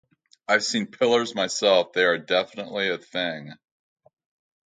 I've seen pillars myself. They are definitely a thing.